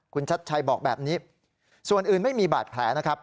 คุณชัดชัยบอกแบบนี้ส่วนอื่นไม่มีบาดแผลนะครับ